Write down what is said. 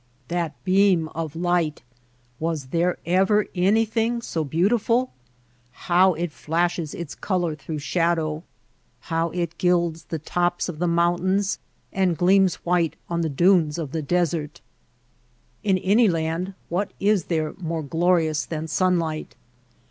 That beam of light ! Was there ever any thing so beautiful ! How it flashes its color through shadow, how it gilds the tops of the mountains and gleams white on the dunes of the desert ! In any land what is there more glorious than sunlight